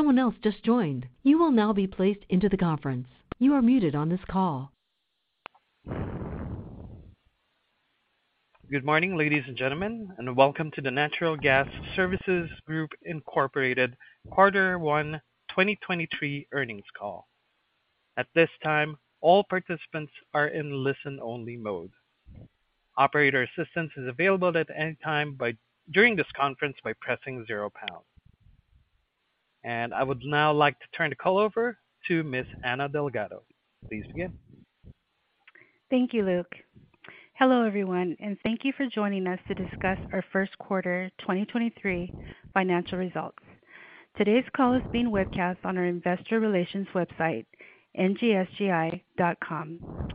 Good morning, ladies and gentlemen, welcome to The Natural Gas Services Group, Inc. Quarter One 2023 earnings call. At this time, all participants are in listen-only mode. Operator assistance is available at any time during this conference by pressing zero pound. I would now like to turn the call over to Ms. Anna Delgado. Please begin. Thank you, Luke. Hello, everyone, and thank you for joining us to discuss our first quarter 2023 financial results. Today's call is being webcast on our investor relations website, ngsgi.com.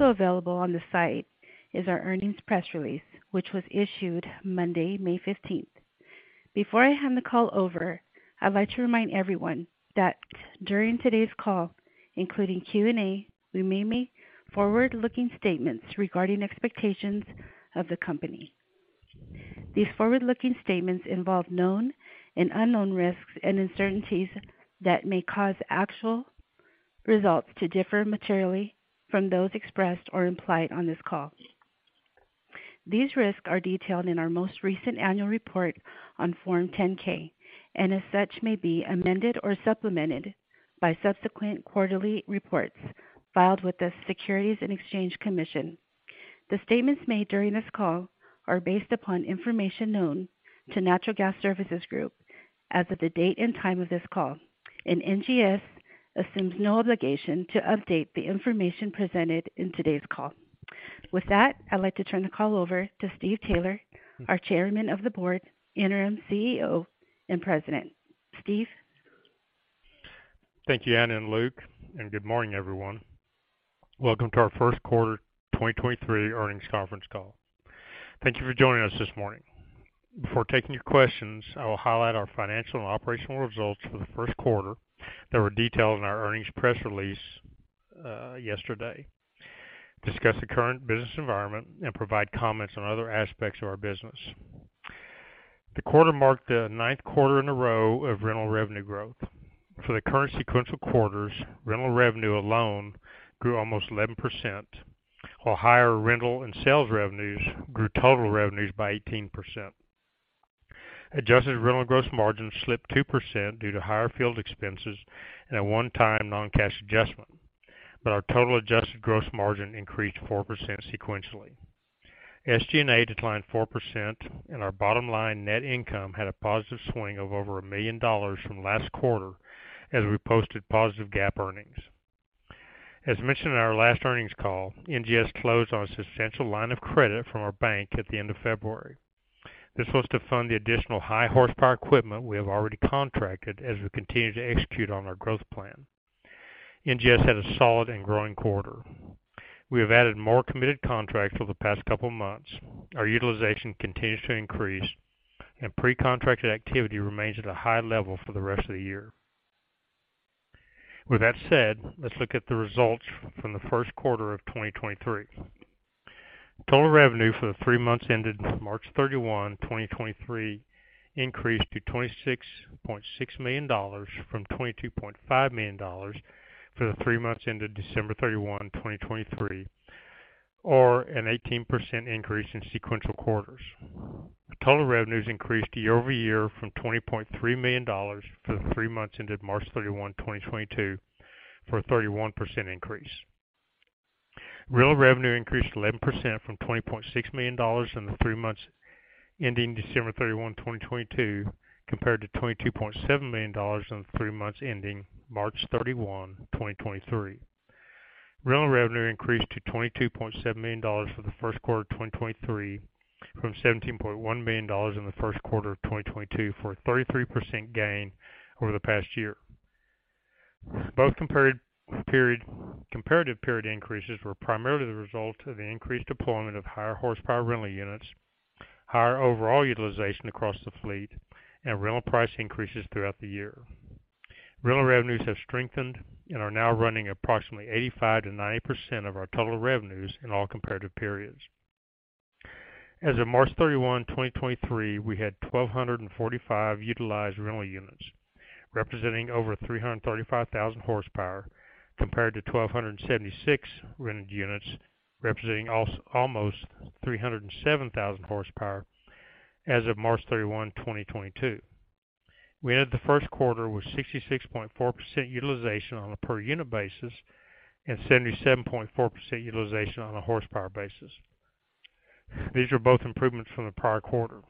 Available on the site is our earnings press release, which was issued Monday, May 15th. Before I hand the call over, I'd like to remind everyone that during today's call, including Q&A, we may make forward-looking statements regarding expectations of the company. These forward-looking statements involve known and unknown risks and uncertainties that may cause actual results to differ materially from those expressed or implied on this call. These risks are detailed in our most recent annual report on Form 10-K, and as such may be amended or supplemented by subsequent quarterly reports filed with the Securities and Exchange Commission. The statements made during this call are based upon information known to Natural Gas Services Group as of the date and time of this call. NGS assumes no obligation to update the information presented in today's call. With that, I'd like to turn the call over to Steve Taylor, our Chairman of the Board, Interim CEO, and President. Steve. Thank you, Anna and Luke. Good morning, everyone. Welcome to our first quarter 2023 earnings conference call. Thank you for joining us this morning. Before taking your questions, I will highlight our financial and operational results for the first quarter that were detailed in our earnings press release yesterday, discuss the current business environment, and provide comments on other aspects of our business. The quarter marked the ninth quarter in a row of rental revenue growth. For the current sequential quarters, rental revenue alone grew almost 11%, while higher rental and sales revenues grew total revenues by 18%. Adjusted rental gross margins slipped 2% due to higher field expenses and a one-time non-cash adjustment. Our total Adjusted gross margin increased 4% sequentially. SG&A declined 4%. Our bottom line net income had a positive swing of over $1 million from last quarter as we posted positive GAAP earnings. As mentioned in our last earnings call, NGS closed on a substantial line of credit from our bank at the end of February. This was to fund the additional high horsepower equipment we have already contracted as we continue to execute on our growth plan. NGS had a solid and growing quarter. We have added more committed contracts over the past couple of months. Our utilization continues to increase, and pre-contracted activity remains at a high level for the rest of the year. That said, let's look at the results from the first quarter of 2023. Total revenue for the three months ended March 31, 2023, increased to $26.6 million from $22.5 million for the three months ended December 31, 2023, or an 18% increase in sequential quarters. Total revenues increased year-over-year from $20.3 million for the three months ended March 31, 2022, for a 31% increase. Rental revenue increased 11% from $20.6 million in the three months ending December 31, 2022, compared to $22.7 million in the three months ending March 31, 2023. Rental revenue increased to $22.7 million for the first quarter of 2023 from $17.1 million in the first quarter of 2022, for a 33% gain over the past year. Both comparative period increases were primarily the result of the increased deployment of higher horsepower rental units, higher overall utilization across the fleet, and rental price increases throughout the year. Rental revenues have strengthened and are now running approximately 85% and 90% of our total revenues in all comparative periods. As of March 31, 2023, we had 1,245 utilized rental units representing over 335,000 horsepower compared to 1,276 rented units, representing almost 307,000 horsepower as of March 31, 2022. We ended the first quarter with 66.4% utilization on a per unit basis and 77.4% utilization on a horsepower basis. These are both improvements from the prior quarter.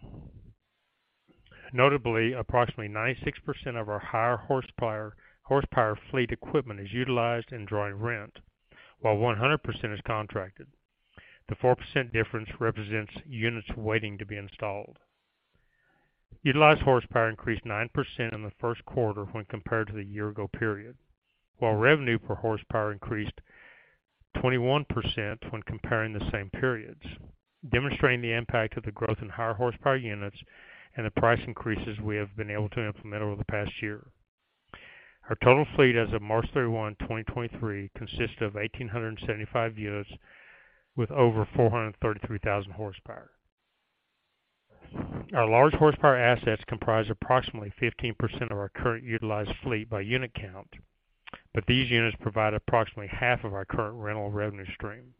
Notably, approximately 96% of our higher horsepower fleet equipment is utilized and drawing rent, while 100% is contracted. The 4% difference represents units waiting to be installed. Utilized horsepower increased 9% in first quarter when compared to the year ago period, while revenue per horsepower increased 21% when comparing the same periods, demonstrating the impact of the growth in higher horsepower units and the price increases we have been able to implement over the past year. Our total fleet as of March 31, 2023 consists of 1,875 units with over 433,000 horsepower. Our large horsepower assets comprise approximately 15% of our current utilized fleet by unit count, but these units provide approximately half of our current rental revenue stream.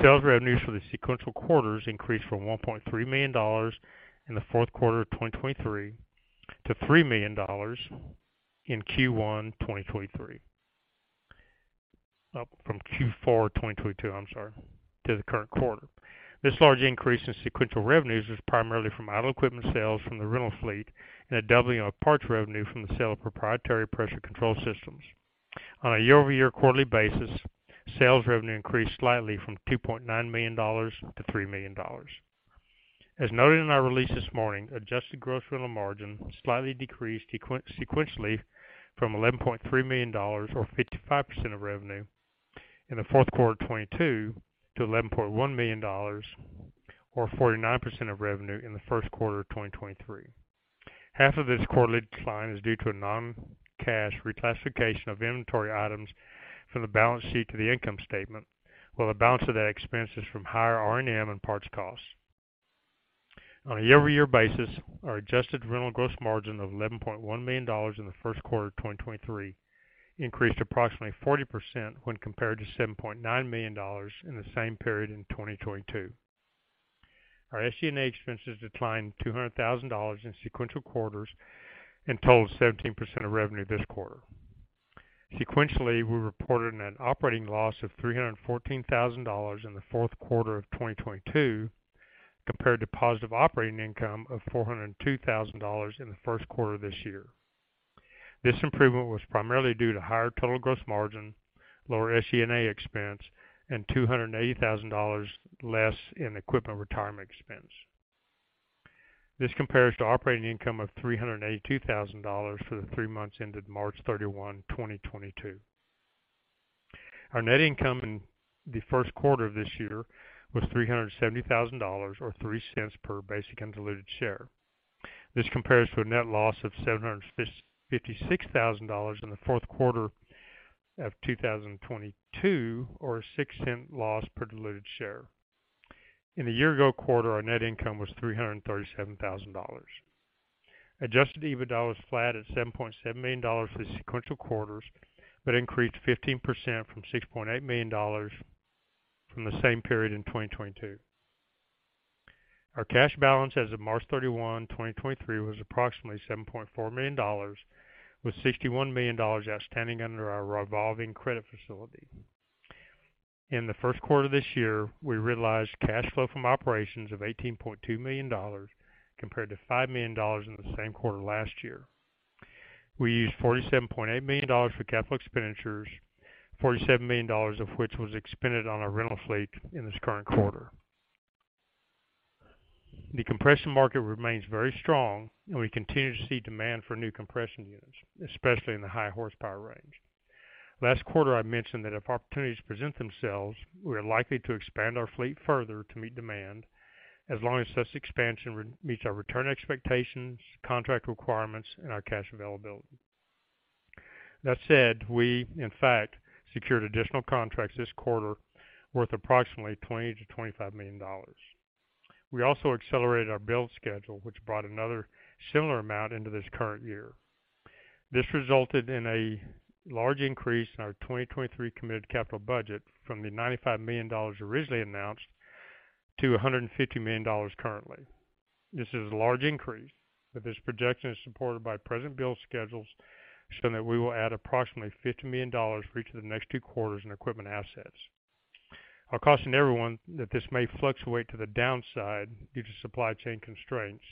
Sales revenues for the sequential quarters increased from $1.3 million in the fourth quarter of 2023 to $3 million in Q1, 2023. Up from Q4, 2022, I'm sorry, to the current quarter. This large increase in sequential revenues is primarily from idle equipment sales from the rental fleet and a doubling of parts revenue from the sale of proprietary pressure control systems. On a year-over-year quarterly basis, sales revenue increased slightly from $2.9 million-$3 million. As noted in our release this morning, Adjusted Gross Rental Margin slightly decreased sequentially from $11.3 million, or 55% of revenue, in the fourth quarter of 2022 to $11.1 million or 49% of revenue in the first quarter of 2023. Half of this quarterly decline is due to a non-cash reclassification of inventory items from the balance sheet to the income statement, while the balance of that expense is from higher R&M and parts costs. On a year-over-year basis, our Adjusted rental gross margin of $11.1 million in the first quarter of 2023 increased approximately 40% when compared to $7.9 million in the same period in 2022. Our SG&A expenses declined $200,000 in sequential quarters and totals 17% of revenue this quarter. Sequentially, we reported an operating loss of $314,000 in the fourth quarter of 2022 compared to positive operating income of $402,000 in the first quarter this year. This improvement was primarily due to higher total gross margin, lower SG&A expense, and $280,000 less in equipment retirement expense. This compares to operating income of $382,000 for the three months ended March 31, 2022. Our net income in the first quarter of this year was $370,000, or $0.03 per basic and diluted share. This compares to a net loss of $756,000 in the fourth quarter of 2022, or a $0.06 loss per diluted share. In the year ago quarter, our net income was $337,000. Adjusted EBITDA was flat at $7.7 million for the sequential quarters, but increased 15% to $6.8 million from the same period in 2022. Our cash balance as of March 31, 2023, was approximately $7.4 million, with $61 million outstanding under our revolving credit facility. In the first quarter this year, we realized cash flow from operations of $18.2 million, compared to $5 million in the same quarter last year. We used $47.8 million for capital expenditures, $47 million of which was expended on our rental fleet in this current quarter. The compression market remains very strong and we continue to see demand for new compression units, especially in the high horsepower range. Last quarter, I mentioned that if opportunities present themselves, we are likely to expand our fleet further to meet demand as long as such expansion meets our return expectations, contract requirements, and our cash availability. That said, we in fact secured additional contracts this quarter worth approximately $20 million-$25 million. We also accelerated our build schedule, which brought another similar amount into this current year. This resulted in a large increase in our 2023 committed capital budget from the $95 million originally announced to $150 million currently. This is a large increase. This projection is supported by present build schedules showing that we will add approximately $50 million for each of the next two quarters in equipment assets. Our caution to everyone that this may fluctuate to the downside due to supply chain constraints.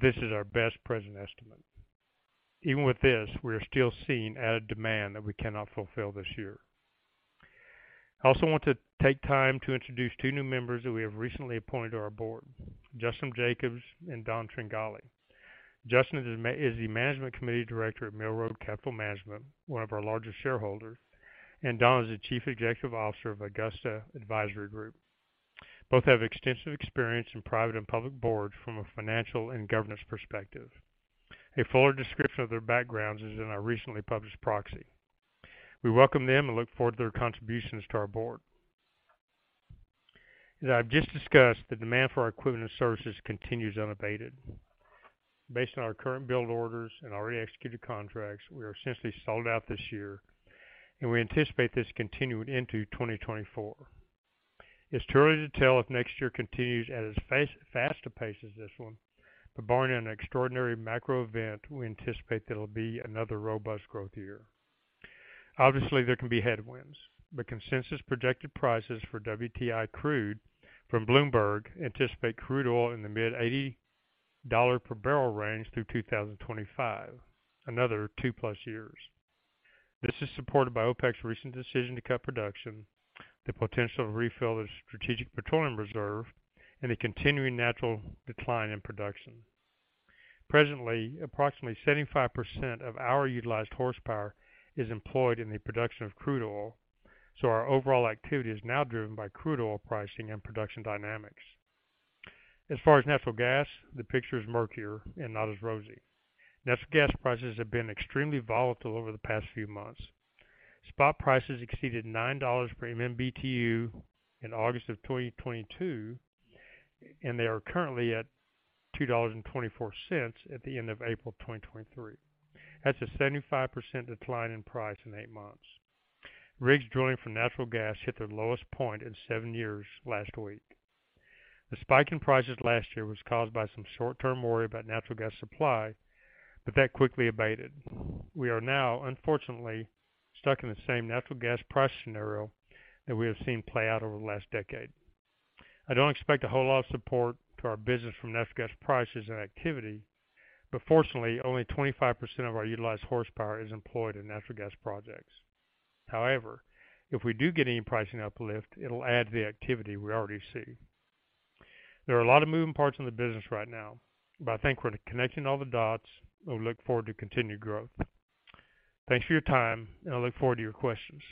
This is our best present estimate. Even with this, we are still seeing added demand that we cannot fulfill this year. I also want to take time to introduce two new members that we have recently appointed to our board, Justin Jacobs and Don Tringali. Justin is the Management Committee Director of Mill Road Capital Management, one of our largest shareholders, and Don is the Chief Executive Officer of Augusta Advisory Group. Both have extensive experience in private and public boards from a financial and governance perspective. A fuller description of their backgrounds is in our recently published proxy. We welcome them and look forward to their contributions to our board. As I've just discussed, the demand for our equipment and services continues unabated. Based on our current build orders and already executed contracts, we are essentially sold out this year and we anticipate this continuing into 2024. It's too early to tell if next year continues at as fast a pace as this one. Barring an extraordinary macro event, we anticipate that it'll be another robust growth year. Obviously, there can be headwinds. Consensus projected prices for WTI crude from Bloomberg anticipate crude oil in the mid $80 per barrel range through 2025, another two plus years. This is supported by OPEC's recent decision to cut production, the potential to refill the Strategic Petroleum Reserve, and the continuing natural decline in production. Presently, approximately 75% of our utilized horsepower is employed in the production of crude oil. Our overall activity is now driven by crude oil pricing and production dynamics. As far as natural gas, the picture is murkier and not as rosy. Natural gas prices have been extremely volatile over the past few months. Spot prices exceeded $9 per MMBtu in August of 2022, and they are currently at $2.24 at the end of April 2023. That's a 75% decline in price in eight months. Rigs drilling for natural gas hit their lowest point in seven years last week. The spike in prices last year was caused by some short-term worry about natural gas supply, but that quickly abated. We are now, unfortunately, stuck in the same natural gas price scenario that we have seen play out over the last decade. I don't expect a whole lot of support to our business from natural gas prices and activity, but fortunately, only 25% of our utilized horsepower is employed in natural gas projects. If we do get any pricing uplift, it'll add to the activity we already see. There are a lot of moving parts in the business right now, but I think we're connecting all the dots and look forward to continued growth. Thanks for your time, and I look forward to your questions.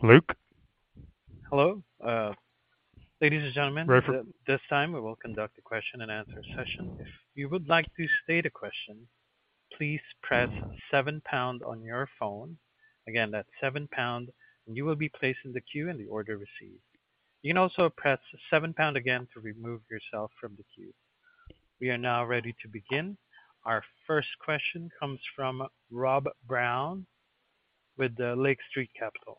Luke? Hello. ladies and gentlemen. Ready for- At this time, we will conduct a question-and-answer session. If you would like to state a question, please press seven pound on your phone. Again, that's seven pound, you will be placed in the queue in the order received. You can also press 7seven pound again to remove yourself from the queue. We are now ready to begin. Our first question comes from Rob Brown with the Lake Street Capital.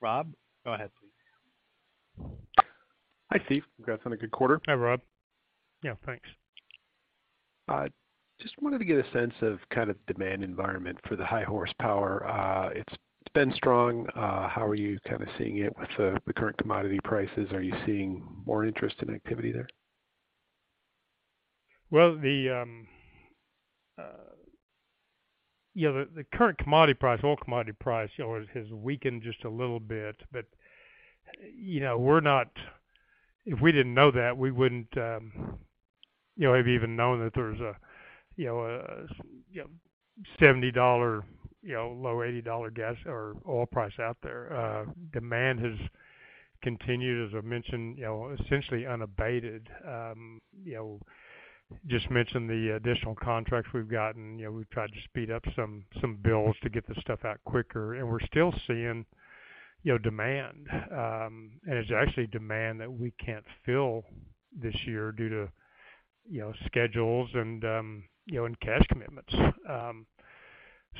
Rob, go ahead please. Hi, Steve. Congrats on a good quarter. Hi, Rob. Yeah, thanks. Just wanted to get a sense of kind of demand environment for the high horsepower. It's been strong. How are you kinda seeing it with the current commodity prices? Are you seeing more interest in activity there? Well, the, you know, the current commodity price, oil commodity price, you know, has weakened just a little bit. You know, we're not. If we didn't know that, we wouldn't, you know, have even known that there was a, you know, $70, you know, low $80 gas or oil price out there. Demand has continued, as I mentioned, you know, essentially unabated. You know, just mentioned the additional contracts we've gotten. You know, we've tried to speed up some bills to get the stuff out quicker, and we're still seeing, you know, demand. And it's actually demand that we can't fill this year due to, you know, schedules and, you know, and cash commitments.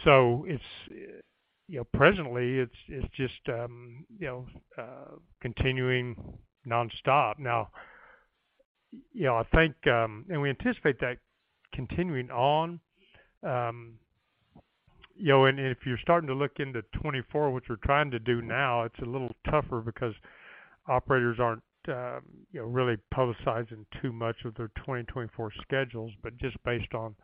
So it's, you know, presently, it's just, you know, continuing nonstop. Now, you know, I think, and we anticipate that continuing on. You know, and if you're starting to look into 2024, which we're trying to do now, it's a little tougher because operators aren't, you know, really publicizing too much of their 2024 schedules. Just based on,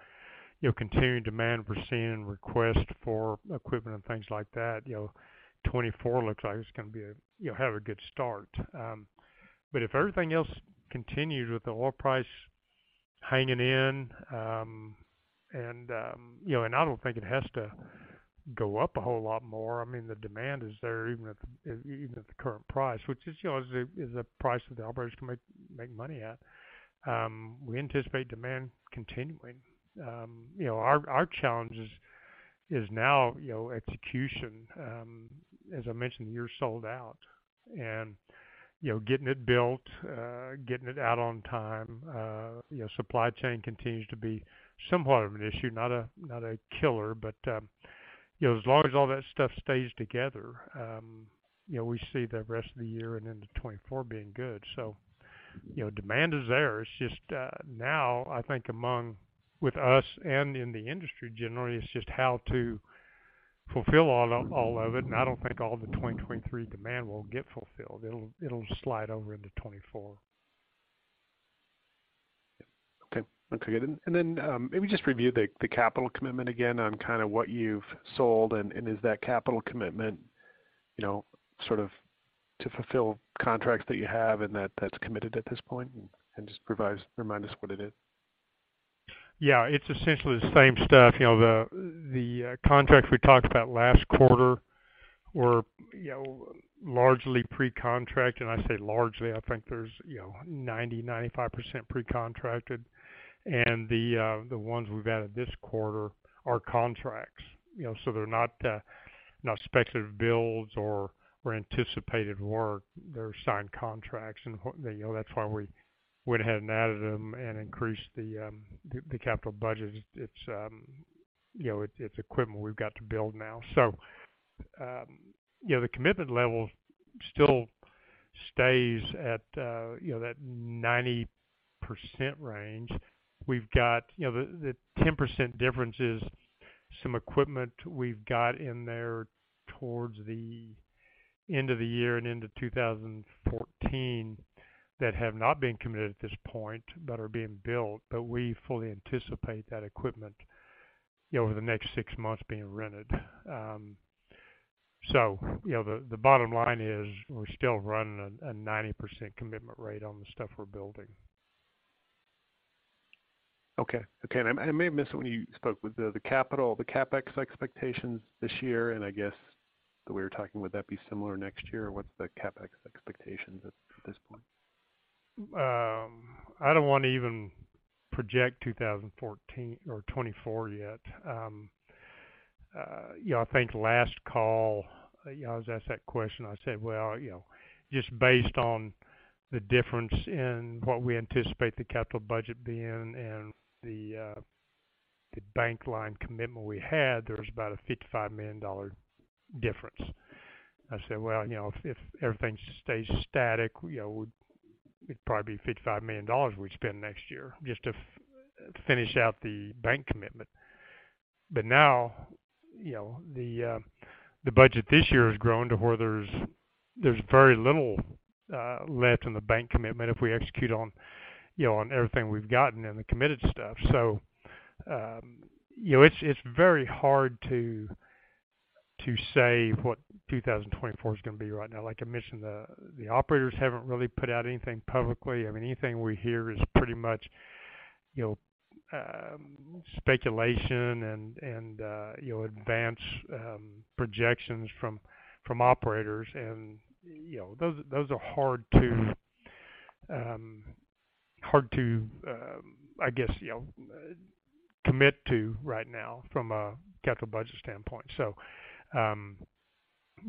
you know, continuing demand, we're seeing requests for equipment and things like that. You know, 2024 looks like it's gonna be a, you know, have a good start. If everything else continues with the oil price hanging in, and, you know, and I don't think it has to go up a whole lot more. I mean, the demand is there even at, even at the current price, which is, you know, is a, is a price that the operators can make money at. We anticipate demand continuing. You know, our challenge is now, you know, execution. As I mentioned, the year sold out and, you know, getting it built, getting it out on time. You know, supply chain continues to be somewhat of an issue, not a killer. You know, as long as all that stuff stays together, you know, we see the rest of the year and into 2024 being good. You know, demand is there. It's just, now I think among with us and in the industry generally, it's just how to fulfill all of it. I don't think all the 2023 demand will get fulfilled. It'll slide over into 2024. Okay, good. Maybe just review the capital commitment again on kind of what you've sold and is that capital commitment, you know, sort of to fulfill contracts that you have and that's committed at this point? Just provide us, remind us what it is. Yeah, it's essentially the same stuff. You know, the contracts we talked about last quarter were, you know, largely pre-contract, and I say largely, I think there's, you know, 90% to 95% pre-contracted. The ones we've added this quarter are contracts. You know, so they're not speculative builds or anticipated work. They're signed contracts, and, you know, that's why we went ahead and added them and increased the capital budget. It's, you know, it's equipment we've got to build now. The commitment level still stays at, you know, that 90% range. We've got, you know, the 10% difference is some equipment we've got in there towards the end of the year and into 2014 that have not been committed at this point but are being built. We fully anticipate that equipment, you know, over the next six months being rented. You know, the bottom line is we're still running a 90% commitment rate on the stuff we're building. Okay. Okay. I may have missed it when you spoke. With the CapEx expectations this year, and I guess that we were talking, would that be similar next year? What's the CapEx expectations at this point? I don't wanna even project 2014 or 2024 yet. You know, I think last call, you know, I was asked that question, I said, "Well, you know, just based on the difference in what we anticipate the capital budget being and the bank line commitment we had, there was about a $55 million difference." I said, "Well, you know, if everything stays static, you know, it'd probably be $55 million we'd spend next year just to finish out the bank commitment." Now, you know, the budget this year has grown to where there's very little left in the bank commitment if we execute on, you know, on everything we've gotten and the committed stuff. You know, it's very hard to say what 2024 is gonna be right now. Like I mentioned, the operators haven't really put out anything publicly. I mean, anything we hear is pretty much, you know, speculation and, you know, advanced projections from operators. And, you know, those are hard to, hard to, I guess, you know, commit to right now from a capital budget standpoint. You know,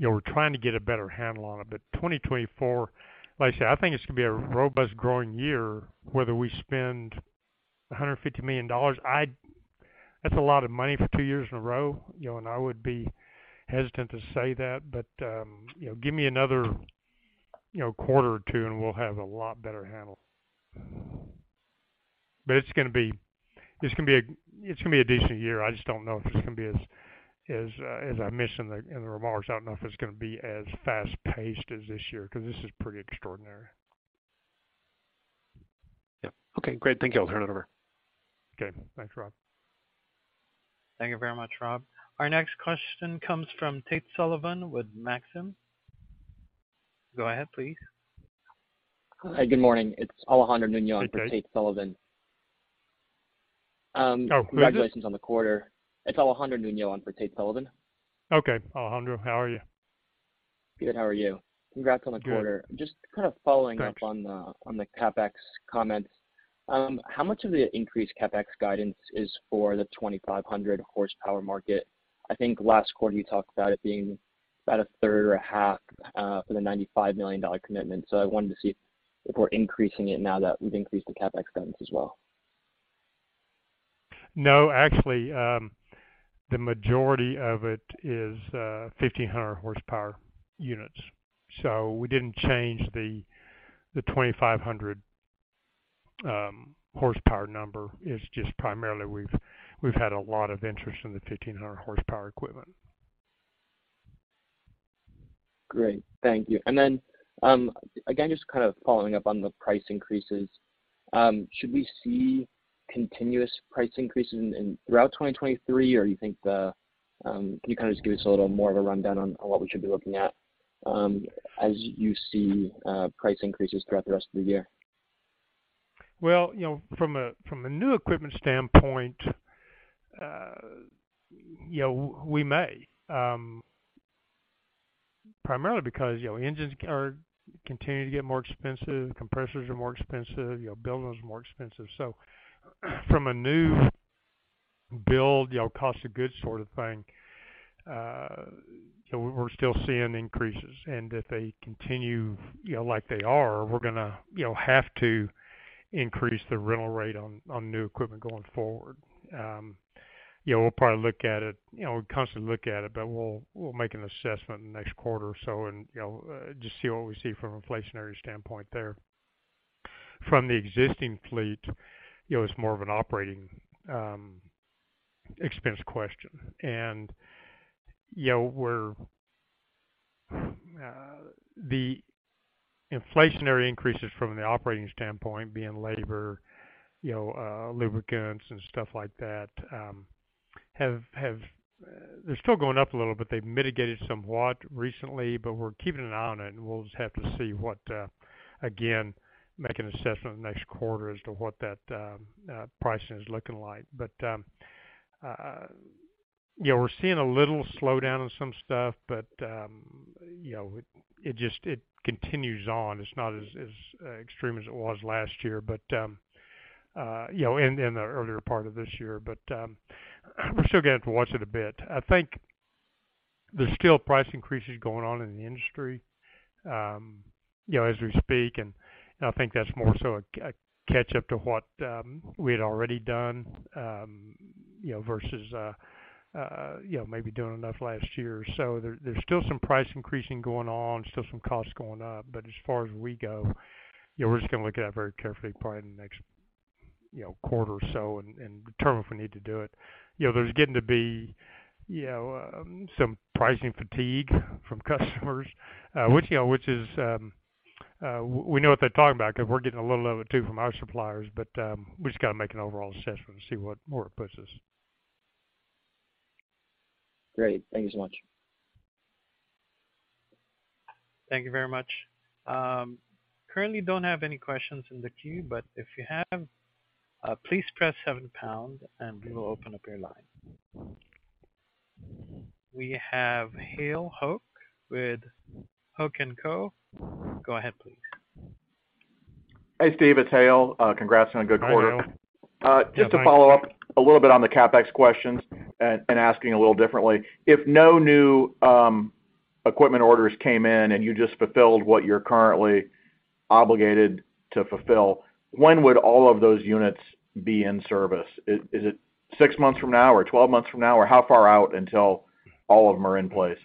we're trying to get a better handle on it. 2024, like I said, I think it's gonna be a robust growing year, whether we spend $150 million. That's a lot of money for two years in a row, you know, and I would be hesitant to say that. You know, give me another, you know, quarter or two, and we'll have a lot better handle. It's gonna be... It's gonna be a decent year. I just don't know if it's gonna be as I mentioned in the remarks, I don't know if it's gonna be as fast-paced as this year, 'cause this is pretty extraordinary. Yeah. Okay, great. Thank you. I'll turn it over. Okay. Thanks, Rob. Thank you very much, Rob. Our next question comes from Tate Sullivan with Maxim. Go ahead, please. Hi. Good morning. It's Alejandro Nuño. Hey, Tate. on for Tate Sullivan. Oh, who is it? Congratulations on the quarter. It's Alejandro Nuño on for Tate Sullivan. Okay. Alejandro Nuño, how are you? Good. How are you? Congrats on the quarter. Good. Thanks. Just kind of following up on the, on the CapEx comments. How much of the increased CapEx guidance is for the 2,500 horsepower market? I think last quarter you talked about it being about a third or a half for the $95 million commitment. I wanted to see if we're increasing it now that we've increased the CapEx spend as well. Actually, the majority of it is 1,500 horsepower units. We didn't change the 2,500 horsepower number. It's just primarily we've had a lot of interest in the 1,500 horsepower equipment. Great. Thank you. Again, just kind of following up on the price increases, should we see continuous price increases in throughout 2023, or you think the, can you kind of just give us a little more of a rundown on what we should be looking at, as you see, price increases throughout the rest of the year? Well, you know, from a new equipment standpoint, you know, we may, primarily because, you know, engines are continuing to get more expensive, compressors are more expensive, you know, building is more expensive. From a new build, you know, cost of goods sort of thing, you know, we're still seeing increases. If they continue, you know, like they are, we're gonna, you know, have to increase the rental rate on new equipment going forward. You know, we'll probably look at it. You know, we constantly look at it, but we'll make an assessment next quarter or so and, you know, just see what we see from an inflationary standpoint there. From the existing fleet, you know, it's more of an operating expense question. You know, we're, the inflationary increases from the operating standpoint being labor, you know, lubricants and stuff like that, have, they're still going up a little bit. They've mitigated somewhat recently, but we're keeping an eye on it, and we'll just have to see what, again, make an assessment next quarter as to what that, pricing is looking like. You know, we're seeing a little slowdown on some stuff, but, you know, it just, it continues on. It's not as extreme as it was last year, but, you know, in the earlier part of this year, but, we're still gonna have to watch it a bit. I think there's still price increases going on in the industry, you know, as we speak, and I think that's more so a catch up to what we had already done, you know, versus, you know, maybe doing enough last year. There's still some price increasing going on, still some costs going up. As far as we go, you know, we're just gonna look at it very carefully probably in the next, you know, quarter or so and determine if we need to do it. You know, there's getting to be, you know, some pricing fatigue from customers, which, you know, which is, we know what they're talking about because we're getting a little of it too from our suppliers, but, we just got to make an overall assessment and see what, where it puts us. Great. Thank you so much. Thank you very much. Currently don't have any questions in the queue. If you have, please press seven pound and we will open up your line. We have Hale Hoak with Hoak & Co. Go ahead, please. Hey, Steve, it's Hale. Congrats on a good quarter. Hi, Hale. Just to follow up a little bit on the CapEx questions and asking a little differently. If no new equipment orders came in and you just fulfilled what you're currently obligated to fulfill, when would all of those units be in service? Is it six months from now or 12 months from now? Or how far out until all of them are in place?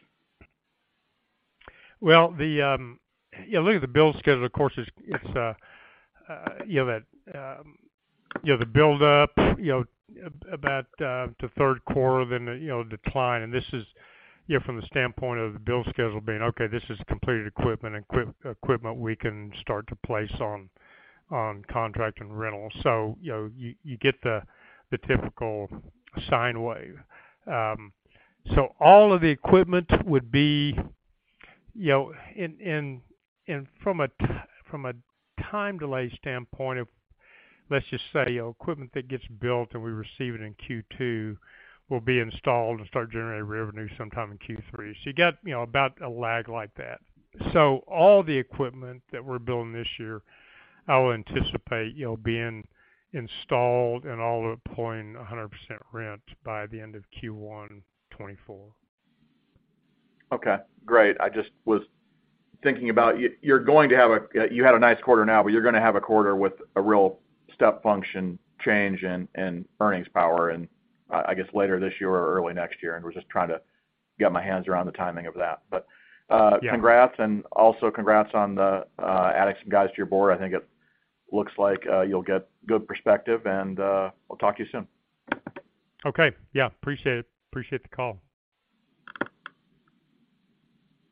Well, the, yeah, look at the bill schedule, of course, it's, you know that, you know, the buildup, you know, about the third quarter, then the, you know, decline. This is, you know, from the standpoint of the bill schedule being, okay, this is completed equipment we can start to place on contract and rental. You know, you get the typical sine wave. All of the equipment would be, you know, in and from a time delay standpoint of, let's just say equipment that gets built and we receive it in Q2, will be installed and start generating revenue sometime in Q3. You get, you know, about a lag like that. All the equipment that we're building this year, I would anticipate, you know, being installed and all deploying 100% rent by the end of Q1 2024. Okay, great. I just was thinking about you're going to have a nice quarter now, but you're gonna have a quarter with a real step function change in earnings power, and I guess later this year or early next year. Was just trying to get my hands around the timing of that. Yeah. Congrats and also congrats on the adding some guys to your board. I think it looks like you'll get good perspective and we'll talk to you soon. Okay. Yeah, appreciate the call.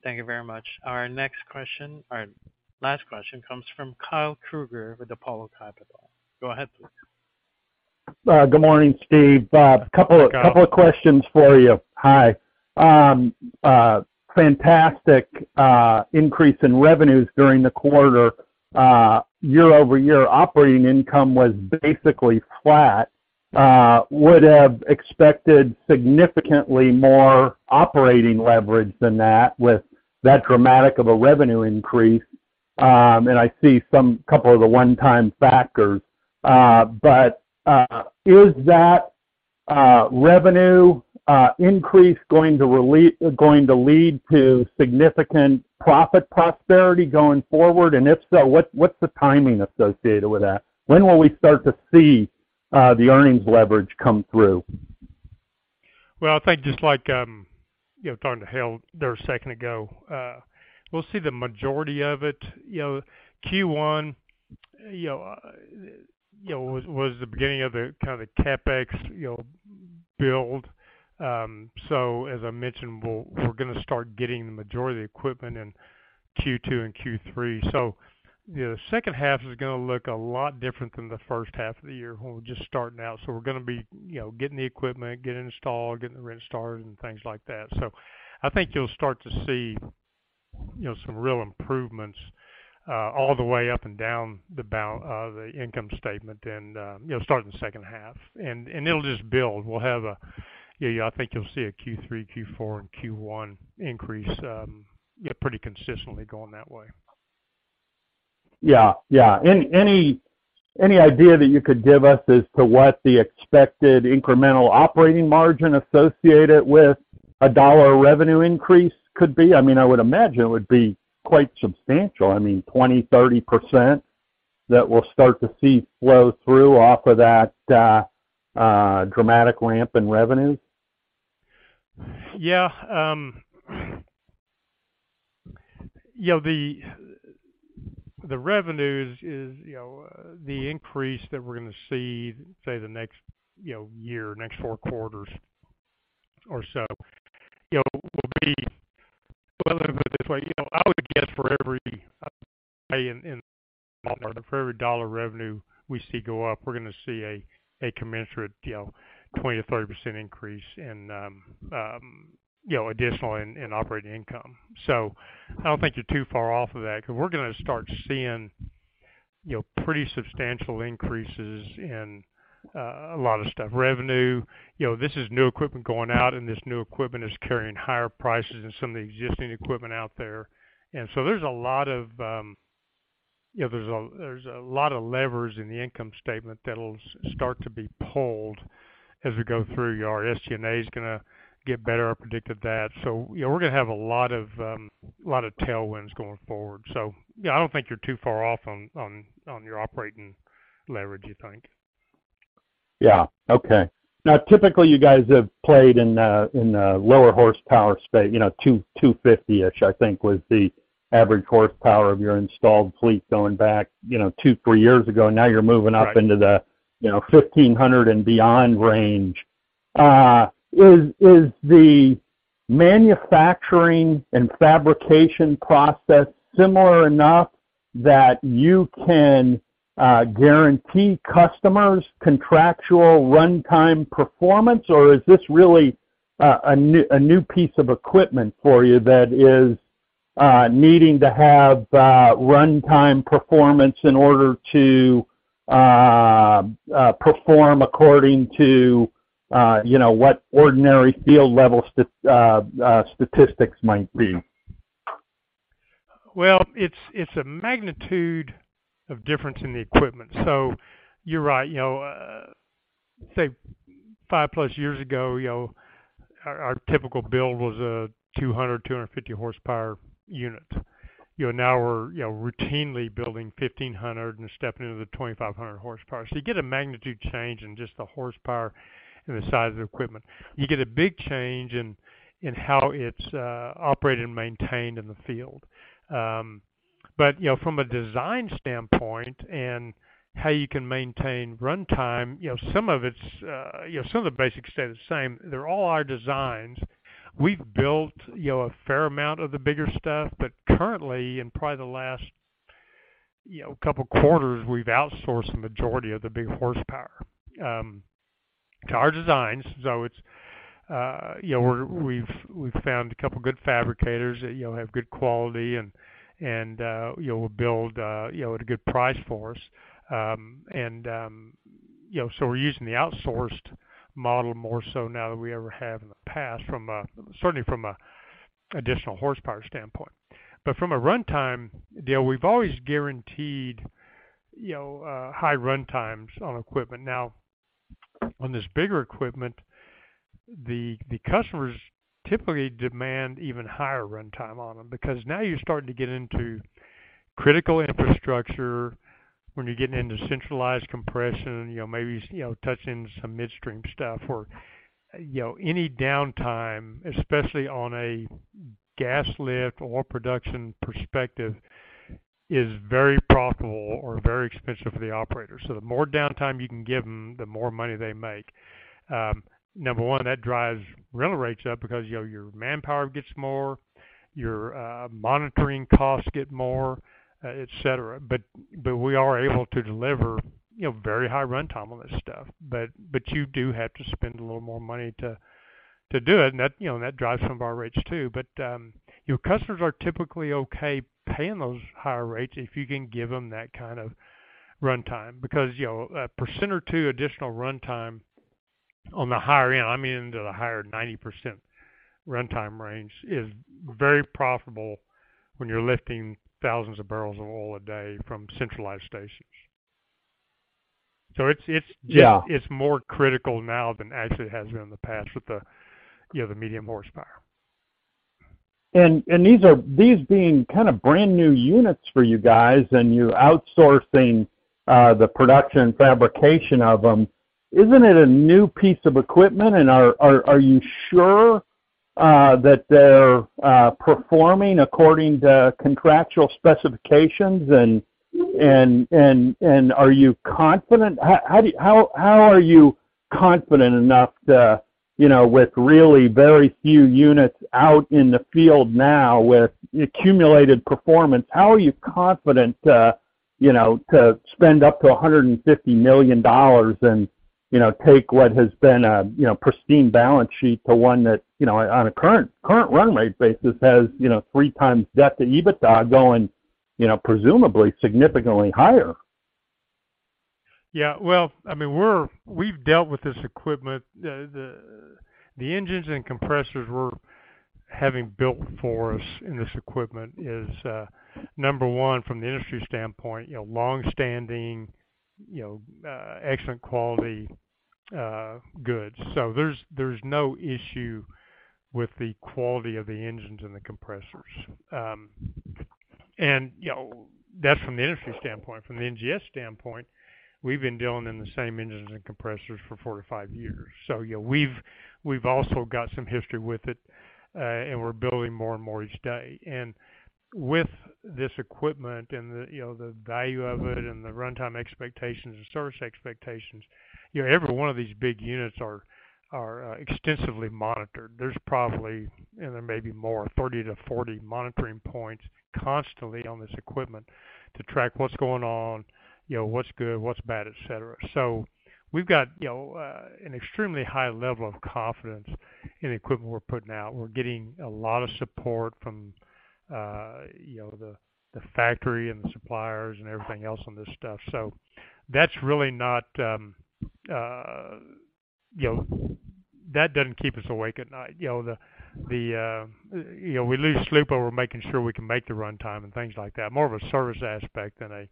Thank you very much. Our next question or last question comes from Kyle Krueger with Apollo Capital. Go ahead, please. Good morning, Steve. Bob. Hi, Kyle. A couple of questions for you. Hi. Fantastic increase in revenues during the quarter. Year-over-year operating income was basically flat. Would have expected significantly more operating leverage than that with that dramatic of a revenue increase. I see some couple of the one-time factors. Is that revenue increase going to lead to significant profit prosperity going forward? If so, what's the timing associated with that? When will we start to see the earnings leverage come through? Well, I think just like, you know, talking to Hale there a second ago, we'll see the majority of it. You know, Q1, you know, was the beginning of a kind of a CapEx, you know, build. As I mentioned, we're gonna start getting the majority of the equipment in Q2 and Q3. You know, second half is gonna look a lot different than the first half of the year. We're just starting out, so we're gonna be, you know, getting the equipment, getting installed, getting the rent started and things like that. I think you'll start to see, you know, some real improvements, all the way up and down the income statement and, you know, start in the second half. It'll just build. Yeah, I think you'll see a Q3, Q4, and Q1 increase, yeah, pretty consistently going that way. Yeah. Yeah. Any idea that you could give us as to what the expected incremental operating margin associated with a dollar revenue increase could be? I mean, I would imagine it would be quite substantial. I mean, 20% to 30% that we'll start to see flow through off of that dramatic ramp in revenue. Yeah. You know, the revenues is, you know, the increase that we're gonna see, say the next, you know, year, next four quarters or so. You know, let me put it this way. You know, I would guess for every, I would say for every dollar revenue we see go up, we're gonna see a commensurate, you know, 20% to 30% increase in, you know, additional operating income. I don't think you're too far off of that, because we're gonna start seeing, you know, pretty substantial increases in a lot of stuff. Revenue, you know, this is new equipment going out, and this new equipment is carrying higher prices than some of the existing equipment out there. There's a lot of, you know, there's a lot of levers in the income statement that'll start to be pulled as we go through. Our SG&A is gonna get better. I predicted that. You know, we're gonna have a lot of tailwinds going forward. You know, I don't think you're too far off on your operating leverage, I think. Yeah. Okay. Now, typically, you guys have played in the lower horsepower, you know, 250-ish, I think was the average horsepower of your installed fleet going back, you know, two, three years ago. Now you're moving up- Right. Into the, you know, 1,500 and beyond range. Is the manufacturing and fabrication process similar enough that you can guarantee customers contractual runtime performance? Or is this really a new piece of equipment for you that is needing to have runtime performance in order to perform according to, you know, what ordinary field-level statistics might be? Well, it's a magnitude of difference in the equipment. You're right. You know, say five plus years ago, you know, our typical build was a 200 to 250 horsepower unit. You know, now we're routinely building 1,500 and stepping into the 2,500 horsepower. You get a magnitude change in just the horsepower and the size of the equipment. You get a big change in how it's operated and maintained in the field. But, you know, from a design standpoint and how you can maintain runtime, you know, some of it's, you know, some of the basics stay the same. They're all our designs. We've built, you know, a fair amount of the bigger stuff, but currently, in probably the last, you know, couple quarters, we've outsourced the majority of the big horsepower to our designs. It's, you know, we've found a couple good fabricators that, you know, have good quality and, you know, build, you know, at a good price for us. We're using the outsourced model more so now than we ever have in the past from a... certainly from a additional horsepower standpoint. From a runtime deal, we've always guaranteed, you know, high runtimes on equipment. Now, on this bigger equipment, the customers typically demand even higher runtime on them because now you're starting to get into critical infrastructure. When you're getting into centralized compression, you know, maybe, you know, touching some midstream stuff or, you know, any downtime, especially on a gas lift or production perspective, is very profitable or very expensive for the operator. The more downtime you can give them, the more money they make. Number one, that drives rental rates up because, you know, your manpower gets more, your monitoring costs get more, et cetera. We are able to deliver, you know, very high runtime on this stuff. You do have to spend a little more money to do it, and that, you know, and that drives some of our rates, too. Your customers are typically okay paying those higher rates if you can give them that kind of runtime because, you know, 1% or 2% additional runtime on the higher end, I mean, into the higher 90% runtime range, is very profitable when you're lifting thousands of barrels of oil a day from centralized stations. Yeah. It's more critical now than actually it has been in the past with the, you know, the medium horsepower. These being kind of brand-new units for you guys, and you're outsourcing the production fabrication of them, isn't it a new piece of equipment? Are you sure that they're performing according to contractual specifications? Are you confident? How are you confident enough to, you know, with really very few units out in the field now with accumulated performance, how are you confident to, you know, to spend up to $150 million and, you know, take what has been a, you know, pristine balance sheet to one that, you know, on a current run rate basis has, you know, 3x debt to EBITDA going, you know, presumably significantly higher? Yeah. Well, I mean, we've dealt with this equipment. The engines and compressors we're having built for us in this equipment is number one, from the industry standpoint, you know, long-standing, you know, excellent quality goods. There's no issue with the quality of the engines and the compressors. You know, that's from the industry standpoint. From the NGS standpoint, we've been dealing in the same engines and compressors for 45 years. You know, we've also got some history with it. We're building more and more each day. With this equipment and the, you know, the value of it and the runtime expectations and service expectations, you know, every one of these big units are extensively monitored. There's probably, and there may be more, 30 to 40 monitoring points constantly on this equipment to track what's going on, you know, what's good, what's bad, et cetera. We've got, you know, an extremely high level of confidence in the equipment we're putting out. We're getting a lot of support from, you know, the factory and the suppliers and everything else on this stuff. That's really not, you know, that doesn't keep us awake at night. You know, the, you know, we lose sleep over making sure we can make the runtime and things like that, more of a service aspect than a,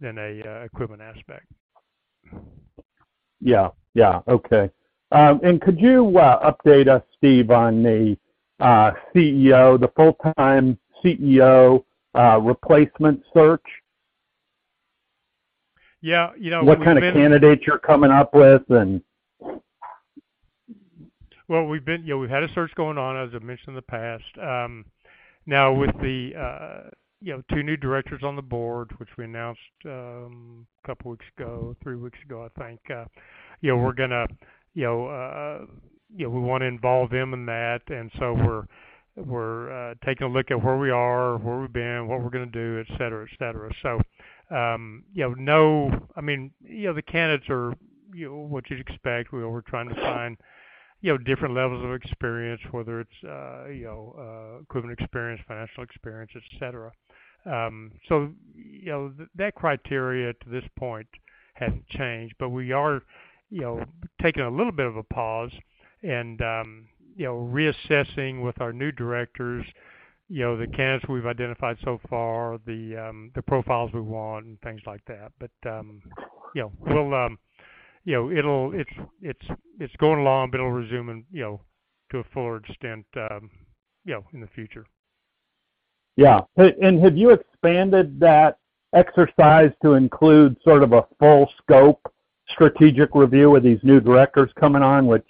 than a equipment aspect. Yeah. Yeah. Okay. Could you update us, Steve, on the CEO, the full-time CEO, replacement search? Yeah. You know. What kind of candidates you're coming up with and? Well, we've been, you know, we've had a search going on, as I've mentioned in the past. Now with the, you know, two new directors on the board, which we announced, a couple weeks ago, three weeks ago, I think, you know, we want to involve them in that. We're taking a look at where we are, where we've been, what we're gonna do, et cetera, et cetera. You know, I mean, you know, the candidates are, you know, what you'd expect. We're trying to find, you know, different levels of experience, whether it's, you know, equipment experience, financial experience, et cetera. You know, that criteria to this point hasn't changed. We are, you know, taking a little bit of a pause and, you know, reassessing with our new directors, you know, the candidates we've identified so far, the profiles we want and things like that. You know, we'll, you know, It's going along, but it'll resume and, you know, to a fuller extent, you know, in the future. Yeah. Have you expanded that exercise to include sort of a full scope strategic review with these new directors coming on, which,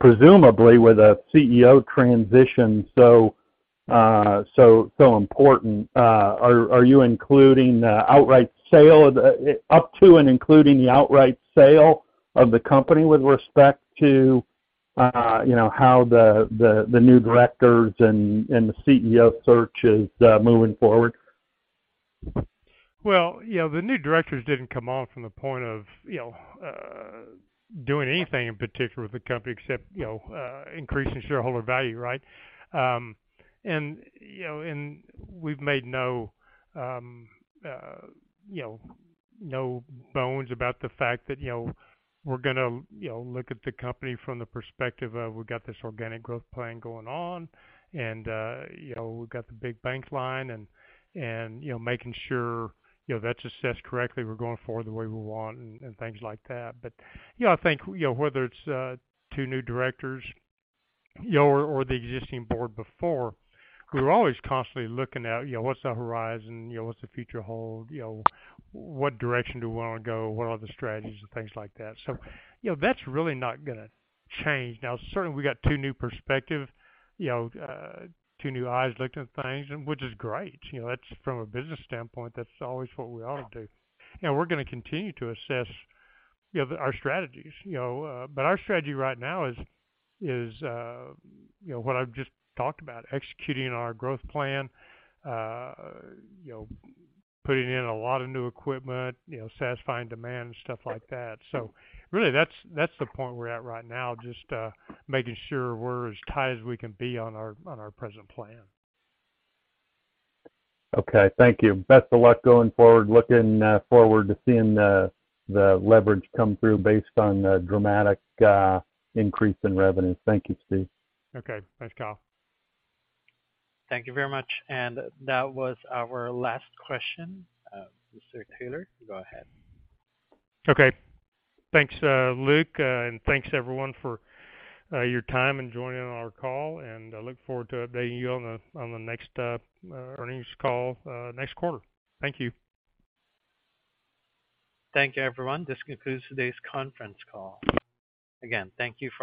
presumably with a CEO transition, so important. Are you including the outright sale of the up to and including the outright sale of the company with respect to, you know, how the new directors and the CEO search is moving forward? Well, you know, the new directors didn't come on from the point of, you know, doing anything in particular with the company except, you know, increasing shareholder value, right? You know, and we've made no, you know, no bones about the fact that, you know, we're gonna, you know, look at the company from the perspective of we've got this organic growth plan going on and, you know, we've got the big bank line and, you know, making sure, you know, that's assessed correctly. We're going forward the way we want and things like that. You know, I think, you know, whether it's two new directors, you know, or the existing board before, we were always constantly looking at, you know, what's the horizon, you know, what's the future hold, you know, what direction do we want to go, what are the strategies and things like that. You know, that's really not gonna change. Now, certainly, we got two new perspective, you know, two new eyes looking at things and which is great. You know, that's from a business standpoint, that's always what we ought to do. We're gonna continue to assess, you know, our strategies, you know. Our strategy right now is, you know, what I've just talked about, executing our growth plan, you know, putting in a lot of new equipment, you know, satisfying demand and stuff like that. Really, that's the point we're at right now, just making sure we're as tight as we can be on our present plan. Okay, thank you. Best of luck going forward. Looking forward to seeing the leverage come through based on the dramatic increase in revenue. Thank you, Steve. Okay. Thanks, Kyle. Thank you very much. That was our last question. Mr. Taylor, go ahead. Okay. Thanks, Luke, and thanks everyone for your time and joining our call, and I look forward to updating you on the next earnings call next quarter. Thank you. Thank you, everyone. This concludes today's conference call. Again, thank you.